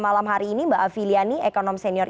malam hari ini mbak afi liani ekonom senior